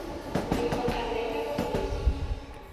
Uyimni qanday topdingiz